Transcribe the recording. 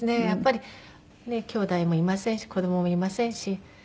やっぱりねえきょうだいもいませんし子供もいませんし。